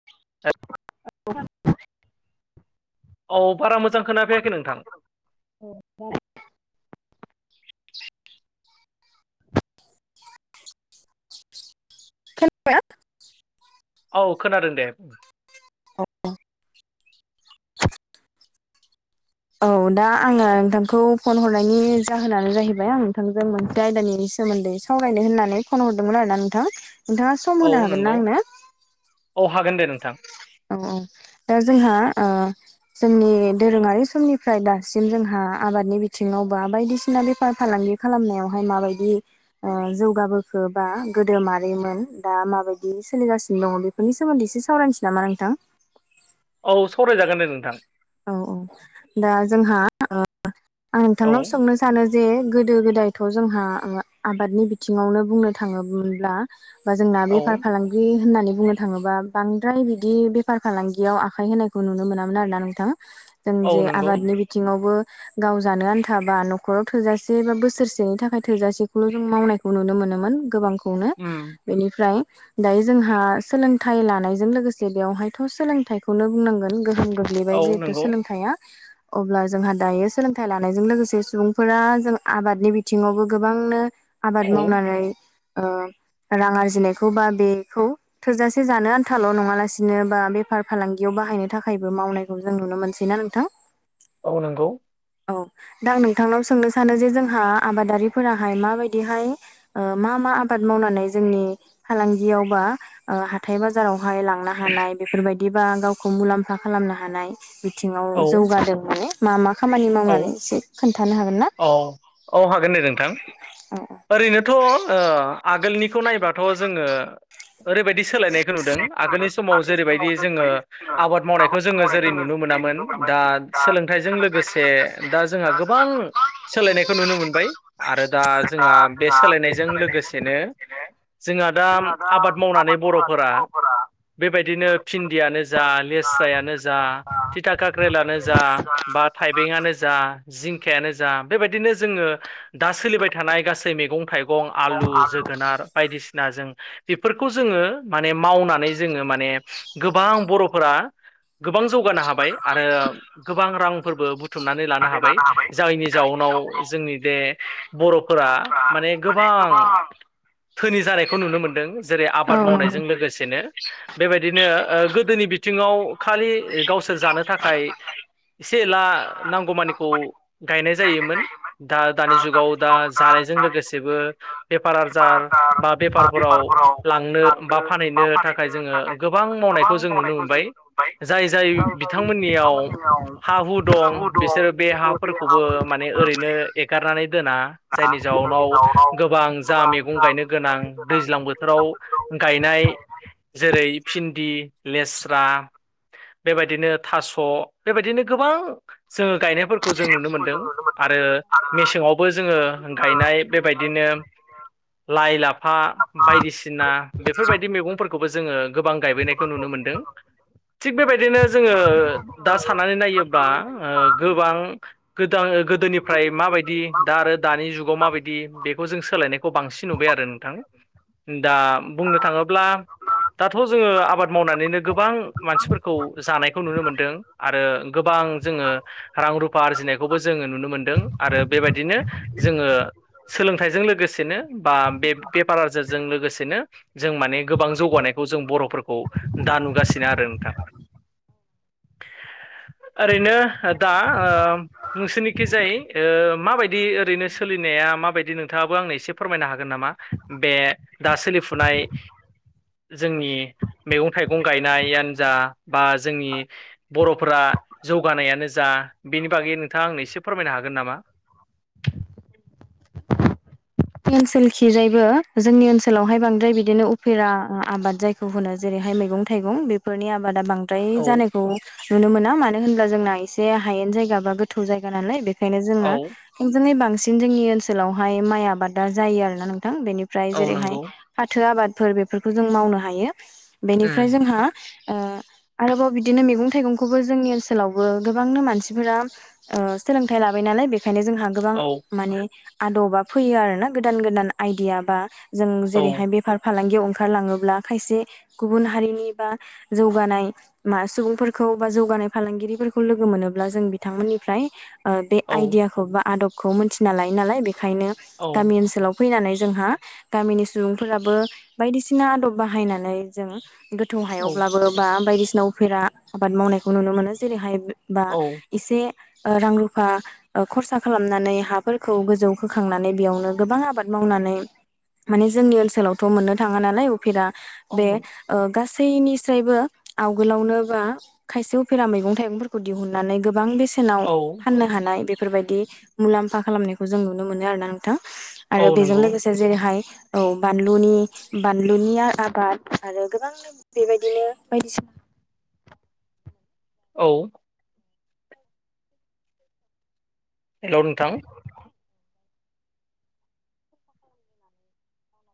[inaudible] औ बारा मोजां खोनाफैयाखै नोंथां [inaudible] खोनादोंना औ खोनादों दे औ दा आङो नोंथांखौ फन हरनायनि जाहोनानो जाहैबाय आं नोंथांजों मोनसे आयदानि सोमोन्दै सावरायनो होन्नानै फन हरदोंमोन आरो ना नोंथां नोंथाङा सम औ होनो हागोन ना नंगौ आंनो? औ हागोन दे नोंथां औ-औ दा जोंहा ओ जोंनि दोरोङारि समनिफ्राय दासिम जोंहा आबादनि बिथिङाव बा बायदिसिना बेफार फालांगि खालामनायावहाय माबायदि जौगाबोखोबा गोदो मारैमोन दा माबायदि सोलिगासिनो दं बे बेफोरनि सोमोन्दै एसे सावरायनोसै नामा नोंथां औ सावरायजागोन दे नोंथां औ-औ दा जोंहा आं औ नोंथांनाव सोंनो सानो जे गोदो गोदायथ' जोंहा आबादनि बिथिङावनो बुंनो थाङोमोनब्ला बा जोंना बेफार औ फालांगि होननानै बुंनो थाङोबा बांद्राय बिदि बेफार फालांगियाव आखाय होनायखौ नुनो मोना मोन आरोना नोंथाङा जों औ जे नंगौ आबादनि बिथिङावबो गाव जानो आन्थाबा न'खराव थोजासे बा बोसोरसेनि थाखाय थोजासेखौल' जों मावनाय खौ नुनो मोनोमोन गोबांखौनो उम बेनिफ्राय दायो जोंहा सोलोंथाइ लानायजों लोगोसे बेवहायथ' सोलोंथाइखौनो बुंनांगोन गोहोम औ गोग्लैबाय जिहेथु नंगौ सोलोंथाया अब्ला जोंहा दायो सोलोंथाइ लानायजों लोगोसे सुबुंफोरा जों आबादनि बिथिङावबो गोबांनो आबाद औ मावनानै ओ रां आरजिनायखौ बा बेखौ थोजासे जानो आन्थाल' नङालासिनो बा बेफार फालांगियाव बाहायनो थाखाय बो मावनायखौ जों नुनो मोनसैना नोंथां औ नोंगौ औ दा आं नोंथांनाव सोंनो सानो जे जोंहा आबादारिफोराहाय माबायदिहाय ओ मा मा आबाद मावनानै जोंनि फालांगियावबा हाथाय बाजारावहाय लांनो हानाय बेफोरबायदिबा गावखौ मुलाम्फा खालामनो हानाय। बिथिंङाव औ जौगादों माने मा मा खामानि औ मावनानै एसे खोन्थानो हागोन ना औ औ हागोन दे नोंथां औ औ ओरैनोथ' ओ आगोलनिखौ नायबाथ' जोंङो ओरैबायदि सोलायनायखौ नुदों। आगोलनि समाव जेरैबायदि जोंङो आबाद मावनायखौ जोंङो जेरै नुनो मोनामोन दा सोलोंथाइजों लोगोसे दा जोंहा गोबां सोलायनायखौ नुनो मोनबाय आरो दा जोंहा बे सोलायनायजों लोगोसे जोंहा दा आबाद मावनानै बर'फोरा बेबायदिनो भिन्दियानो जा लेस्रायानो जा थिथा कक्रेलानो जा बा फाइबेंयानो जा जिंखायानो जा बेबायदिनो जोंङो दा सोलिबाय थानाय गासै मैगं थाइगं आलु जोगोनार बायदिसिना जों बेफोरखौ जोंङो माने मावनानै जोंङो माने गोबां बर'फोरा गोबां जौगानो हाबाय आरो गोबां रांफोरबो बुथुमनानै लानो हाबाय जायनि जाउनाव जोंनि बे बर'फोरा माने गोबां दोनि जानायखौ नुनो मोनदों। जेरै औ आबाद नंगौ मावनायजों लोगोसेनो बेबायदिनो गोदोनि बिथिङाव खालि गावसोर जानो थाखाय एसे एला नांगौमानिखौ गायनाय जायोमोन। दा दानि जुगाव दा जानायजों लोगोसेबो बेफार आजार बा बेफारफोराव लांनो बा फानहैनो थाखाय जोंङो गोबां मावनायखौ जों नुनो मोनबाय जाय जाय बिथांमोननियाव हा हु दं बिसोरो बे हाफोरखौबो माने ओरैनो एगारनानै दोना जायनि जाउनाव गोबां जा मैगं गायनो गोनां दैज्लां बोथोराव गायनाय जेरै भिन्दि लेस्रा बेबायदिनो थास' बेबायदिनो गोबां जोंङो गायनायफोरखौ जों नुनो मोनदों आरो मेसेंङाव बो जोंङो गायनाय बेबायदिनो लाइ लाफा बायदिसिना बेफोरबायदि मैगंफोरखौबो जोंङो गोबां गायबोननायखौ नुनो मोनदों। थिग बेबायदिनो जोंङो दा साननानै नायोब्ला ओ गोबां गोद गोदोनिफ्राय माबायदि दा आरो दानि जुगाव माबायदि बेखौ जों सोलायनायखौ खौ बांसिन नुबाय आरो नोंथां दा बुंनो थांङोब्ला दाथ' जोंङो आबाद मावनानैनो गोबां मानसिफोरखौ जानायखौ नुनो मोनदों आरो गोबां जोंङो रां रुफा आरजिनायखौबो जोंङो नुनो मोनदों आरो बेबायदिनो जोंङो सोलोंथाइजों लोगोसेनो बा बे बेफार आजारजों लोगोसेनो जों माने गोबां जौगानायखौ जों बर'फोरखौ दा नुगासिनो आरो नोंथां ओरैनो दा खिजायै माबायदि ओरैनो सोलिनाया माबायदि नोंथांङाबो आंनो एसे फोरमायनो हागोन नामा? बे दा सोलिफुनाय जोंनि मैगं थाइगं गायनायानो जि बा जोंनि बर'फोरा जौगानायानो जा बेनि बागै नोंथांङा आंनो एसे फोरमायनो हागोन नामा ओनसोल खि जायबो जोंनि ओनसोलावहाय बांद्राय बिदिनो उफेरा आबाद जाय गुबुना जेरैहाय मैगं थाइगं बेफोरनि आबाद बांसि द्राय औ जानायखौ नुनो मोना मानो होनब्ला जोंना एसे हायेन जायगा बा गोथौ जायगा नालाय बे बेखायनो जोंङो औ थोंजोंङै बांसिन जोंनि ओनसोलावहाय माइ आबादा जायो। आरोना नोंथां बेनि ओमफ्राय औ जेरैहाय नंगौ फाथो आबादफोर बेफोरखौ जों मावनो हायो बेनिफ्राय उम जोंहा ओ आरोबाव बिदिनो मैगं थाइगंखौबो जोंनि ओनसोलावबो गोबांनो मानसिफोरा ओ सोलोंथाइ लाबाय नालाय बेनिखायनो जोंहा गोबां औ माने आदबा फैयो आरोना गोदान गोदान आइदिया बा जों औ जेरैहाय बेफार फालांगियाव ओंखारलाङोब्ला खायसे गुबुन हारिनि बा जौगानाय मा सुबुंफोरखौ बा जौगानाय फालांगिरिफोरखौ लोगो मोनोब्ला जों बिथांमोननिफ्राय ओ बे औ आइदियाखौ बा आदबखौ मोनथिना लायो नालाय बेखायनो गामि ओनसोलाव फैनानै जोंहा गामिनि सुबुंफोराबो बायदिसिना आदब बाहायनानै जों गो थौ औ हायावब्लाबो बा बायदिसिना उफेरा आबाद मावनायखौ नुनो मोनो जेरैहाय बा औ एसे ओ रां रुफा ओ खरसा खालामनानै हाफोरखौ गोजौ खोखांनानै बेयावनो गोबां आबाद मावनानै माने जोंनि ओनसोलावथ' मोननो थाङा नालाय उफेरा औ बे ओ गासैनिसायबो आवगोलावनो बा खायसे उफेरा मैगं थाइगंफोरखौ दिहुननानै गोबां बेसे नाव औ फाननो हानाय बेफोरबायदि मुलाम्फा खालामनायखौ जों नुनो मोनो आरोना नोंथां। आरो औ बेजों नंगौ लोगोसे जेरैहाय औ बानलुनि बानलुनिया आबाद आरो गोबां बेबायदिनो बायदिसिना औ हेल' नोंथां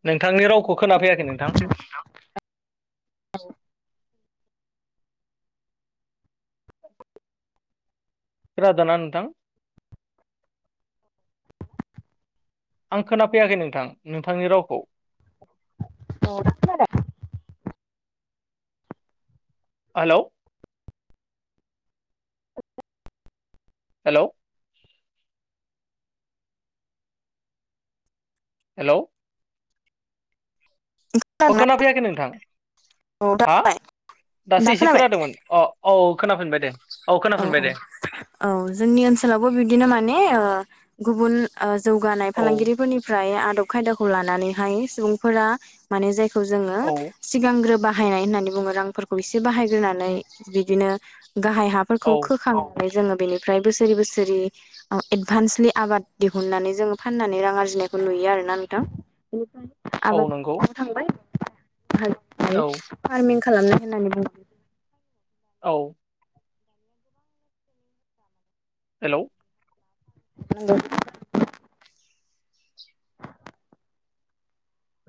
नोंथांनि रावखौ खोनाफैयाखै नोंथां [unintelligible] खोनादोना नोंथां आं खोनाफैयाखै नोंथां नोंथांनि रावखौ औ [unintelligible] हेलौ [inaudible] हेलौ हेलौ अ खोनादोंना खोनाफैयाखै नोंथां हा नोंलाय दा दासो एसे खोनाबाय खोनादोमोन अ औ खोनाफिनबाय दे औ खोनाफिनबाय दे औ जोंनि ओनसोलावबो बिब्दिनो माने ओ गुबुन ओ जौगानाय औ फालांगिरिफोरनि फ्राय आदब खायदाखौ लानानैहाय सुबुंफोरा माने जायखौ जोङो औ सिगांग्रो बाहायनाय होननानै बुङो रांफोरखौ एसे बाहायग्रोनानै बिदिनो गाहाय हा फोरखौ औ खोखांनानै जोङो बेनिफ्राय बोसोरि बोसोरि औ एदभान्सलि आबाद दिहुननानै जोङो फाननानै रां आरजिनायखौ नुयो आरोना नोंथां। बेनिफ्राय औ नंगौ आबादा थांबाय औ फार्मिं [unintelligible] खालामनाय होननानै बुं औ हेलौ नंगौ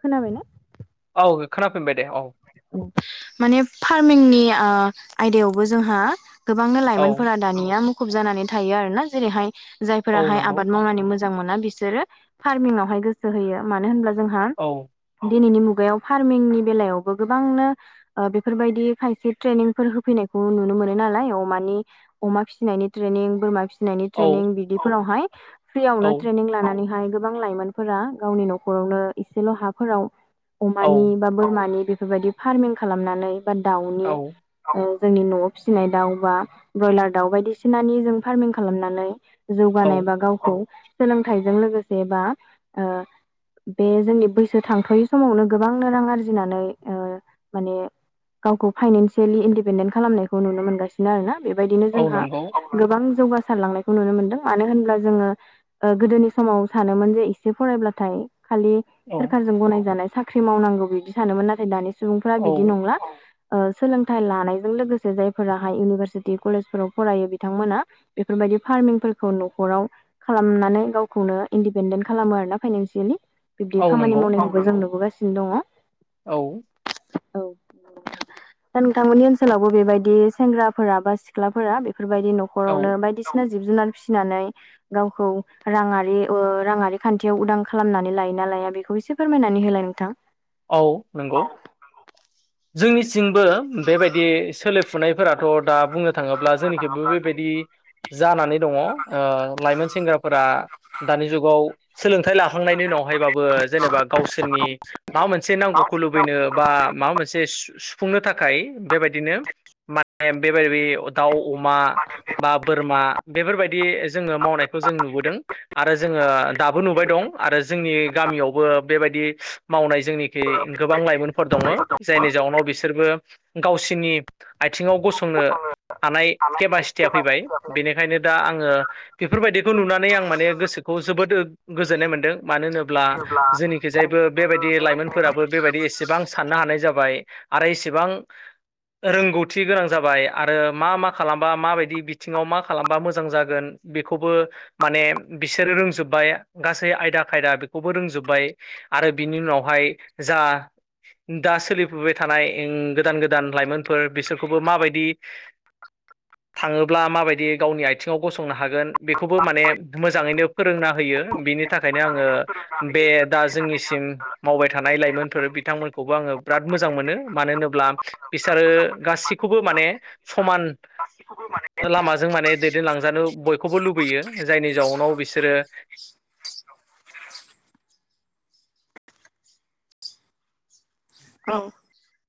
खोनाबायना औ खोनाफिनबाय दे औ ओ माने फार्मिंनि ओ आयदायावबो जोंहा गोबांनो औ लाइमोनफोरानो दानिया मुखुब जानानै थायो आरोना जैरैहाय औ जायफोराहाय नंगौ आबाद मावनानै मो जां मोना बिसोरो फार्मिङावहाय गोसो होयो मानो होनब्ला जोंहा औ दिनैनि मुगायाव फार्मिंनि बेलायावबो गोबांनो ओ बेफोरबायदि खायसे ट्रेनिंफोर होफैनायखौ नुनो मोनो नालाय अमानि अमा फिसिनायनि ट्रेनिं बोरमा फिसि नायनि औ ट्रेनिं बिदिफोरावहाय औ फ्रियावनो ट्रेनिं लानानैहाय गोबां लाइमोनफोरा गावनि नखरावनो इसेल' हाफोराव औ अमानि बा बोरमानि बेफोरबायदि फार्मिं खालामनानै बा दाउनि औ ओ जोंनि न'वाव फिसिनाय दाउ बा बयलार दाउ बायदिसिनानि जों फार्मिं खालामनानै जौगानाय औ बा गावखौ सोलोंथाइजों लोगोसे बा ओ बे जोंनि बैसो थांथ'यै समावनो गोबांनो रां आरजिनानै ओ‌ माने गावखौ फाइनन्सियेलि इन्डपेडेन्ट खालामनायखौ नुनो मोनगासिनो। बिनो आरोना बेबायदिनो औ जोंहा नंगौ गोबां जौगासारलांनायखौ नुनो मोनदों मानो होनब्ला जोङो गोदोनि समाव सानोमोन जे एसे फरायब्लाथाय खालि औ सोरखारजों गनायजानाय साख्रि मावनांगौ बिदि सानोमोन नाथाय दानि सुबुंफ औ बिदि नंला। ओ सोलोंथाइ लानायजों लोगोसे जायफोराहाय इउनिभारसिटि कलेजफोराव फरायो बिथांमोना बेफोरबायदि फार्मिंफोरखौ न'खराव खालामनानै गावखौनो इन्दिपेन्डेन्ट खालामो आरो ना फाइनेन्सियेलि। बिब्दि औ खामानि नंगौ मावनायखौबो जों नुबोगासिनो दङ। औ औ [inaudible] दा नोंथामोननि ओनसोलावबो बेबायदि सेंग्राफोरा बा सिख्लाफोरा बेफोरबायदि न' औ खरावनो बायदिसिना जिब जुनार फिसिनानै गावखौ राङारि ओ राङारि खान्थियाव उदां खालामनानै लायोना लाया बेखौ एसे फोरमायनानै होलाय नोंथां। औ नंगौ जोंनिथिंबो बेबायदि सोलेर फुनायफोराथ' दा बुंनो थाङोब्ला जोंनिखिबो बेबायदि जानानै दङ ओ लाइमोन सेंग्राफोरा दानि जुगाव सोलोंथाइ लाखांनायनि उनावहायबाबो जेनेबा गावसोरनि माबा मोनसे नांगौखौ लुबैनो बा माबा मोनसे सुफुंनो थाखाय बेबायदिनो माने बेबायदि दाउ अमा बा बोरमा बेफोरबायदि जोङो मावनायखौ जों नुबोदों। आरो जोङो दाबो नुबाय दं आरो जोंनि गामियावबो बेबायदि मावनाय जोंनिखि गोबां लाइमोनफोर दङ जायनि जाउनाव बिसोरबो गावसिनि आथिङाव गसंनो हानाय केपासिटिया फैबाय बेनिखायनो दा आङो बेफोरबायदिखौ नुनानै आं माने गोसोखौ जोबोद गोजोननाय मोनदों मानो होनो ब्ला जोंनिखि जायबो बेबायदि लाइमोनफोराबो बेबायदि एसेबां साननो हानाय जाबाय आरो एसेबां रोंगौथि गोनां जाबाय आरो मा मा खालामबा माबायदि बिथिङाव मा खालामबा मोजां जागोन बेखौबो माने बिसोरो रोंजोब्बाय गासै आयदा खायदा बेखौबो रोंजोब्बाय आरो बिनि उनावहाय जा दा सोलिफुबाय थानाय गोदान गोदान लाइमोनफोर बिसोरखौबो माबायदि थाङोब्ला माबायदि गावनि आइथिङाव गसंनो हागोन बेखौबो माने मोजाङैनो फोरोंना होयो बिनि थाखायनो आङो बे दा जोंनि मावबाय थानाय लाइमोनफोर बिथांमोनखौबो आङो बिराद मोजां मोनो मानो होनोब्ला बिसोरो गासिखौबो माने समान [inaudible] लामाजों माने दैदेनलांजानो बयखौबो लुबैयो जायनि जाउनाव बिसोरो औ